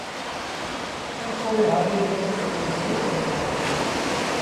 ائيٚݩ پو هآريٚ مرچ چُونڊڻ شرو ڪين دآ